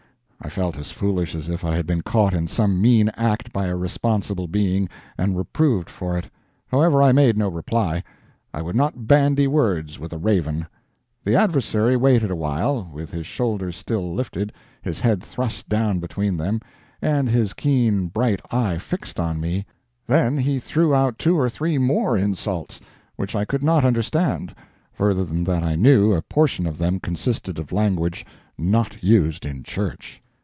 I felt as foolish as if I had been caught in some mean act by a responsible being, and reproved for it. However, I made no reply; I would not bandy words with a raven. The adversary waited a while, with his shoulders still lifted, his head thrust down between them, and his keen bright eye fixed on me; then he threw out two or three more insults, which I could not understand, further than that I knew a portion of them consisted of language not used in church.